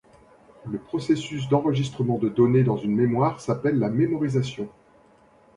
Le processus d'enregistrement des données dans une mémoire s'appelle la mémorisation.